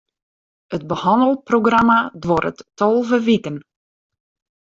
It behannelprogramma duorret tolve wiken.